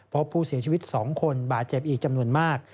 พบผู้เสียชีวิต๒คนบาดเจ็บอีกจำนวนมาก